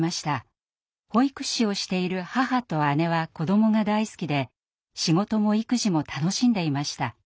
保育士をしている母と姉は子どもが大好きで仕事も育児も楽しんでいました。